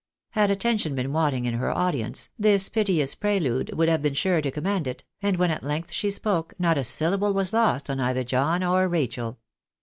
Had attention been wanting in her audience, this piteous prelude would have been sure to command it, and when at length she spoke, not a syllable was lost on either John or Rachel.